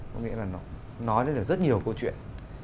có nghĩa là nó nói ra rất nhiều câu chuyện